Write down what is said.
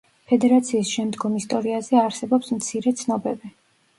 ფედერაციის შემდგომ ისტორიაზე არსებობს მცირე ცნობები.